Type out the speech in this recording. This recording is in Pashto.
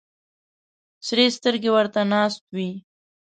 سرې سترګې ورته ناست وي.